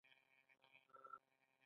آیا د نباتي ناروغیو درمل شته؟